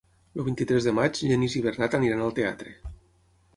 El vint-i-tres de maig en Genís i en Bernat aniran al teatre.